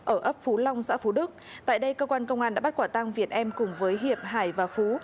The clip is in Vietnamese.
ở ấp phú long xã phú đức tại đây cơ quan công an đã bắt quả tang việt em cùng với hiệp hải và phú